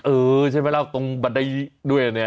เออใช่ไหมแล้วตรงบันไดด้วยเนี่ย